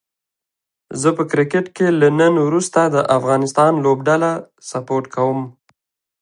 زه په کرکټ کې له نن وروسته د افغانستان لوبډله سپوټ کووم